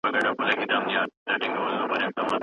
که ماشومان په املا کي خپل نومونه ولیکي.